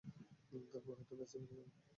তারপর হয়তো নাসায় ফিরে যাব।